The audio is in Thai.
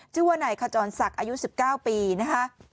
ชื่อว่านายขจรศักดิ์อายุ๑๙ปีนะคะ